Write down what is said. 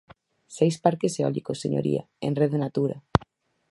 Seis parques eólicos, señoría, en Rede Natura.